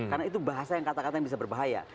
karena itu bahasa yang kata kata yang bisa berbahaya